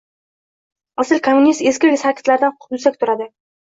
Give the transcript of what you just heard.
Asl kommunist eskilik sarkitlaridan yuksak turadi!